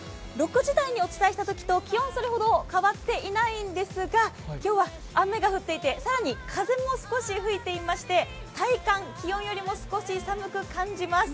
６時台にお伝えしたときと気温はそれほど変わっていないんですが今日は雨が降っていて、更に風も少し吹いていまして、体感、気温よりも少し寒く感じます